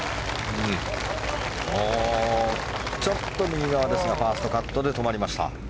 ちょっと右側ですがファーストカットで止まりました。